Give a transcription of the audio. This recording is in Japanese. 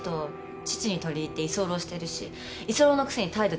父に取り入って居候してるし居候のくせに態度でかいし。